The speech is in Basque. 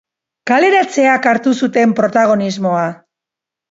Kaleratzeak hartu zuten protagonismoa.